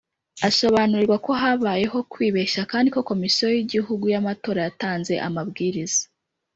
Asobanurirwa ko habayeho kwibeshya kandi ko komisiyo y igihugu y amatora yatanze amabwiriza